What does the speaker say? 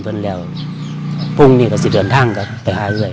พรุ่งนี่จะผ่อนทางไปช่วย